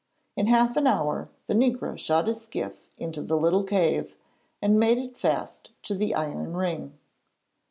In half an hour the negro shot his skiff into the little cave, and made it fast to the iron ring.